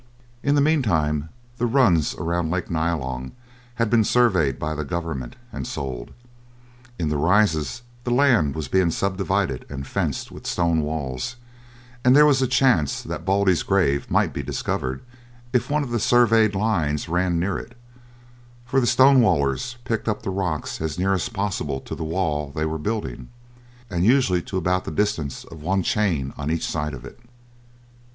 In the meantime the runs around Lake Nyalong had been surveyed by the government and sold. In the Rises the land was being subdivided and fenced with stone walls, and there was a chance that Baldy's grave might be discovered if one of the surveyed lines ran near it, for the stonewallers picked up the rocks as near as possible to the wall they were building, and usually to about the distance of one chain on each side of it.